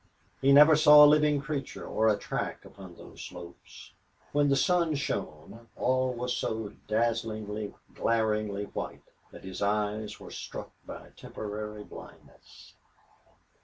He never saw a living creature or a track upon those slopes. When the sun shone all was so dazzlingly, glaringly white that his eyes were struck by temporary blindness.